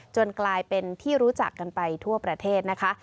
กลายเป็นที่รู้จักกันไปทั่วประเทศนะคะ